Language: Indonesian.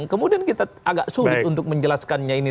kemudian kita agak sulit untuk menjelaskannya ini